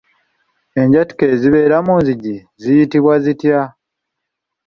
Enjatika ezibeera mu nzigi ziyitibwa zitya?